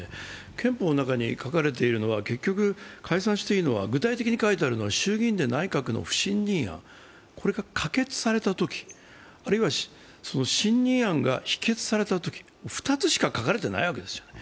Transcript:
憲法の中に書かれているのは、結局解散していいのは具体的に書いてあるのは衆議院で内閣の不信任案が可決されたとき、あるいは、信任案が否決されたとき２つしか書かれていないわけですよね。